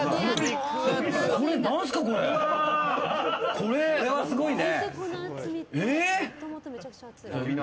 これはすごいね。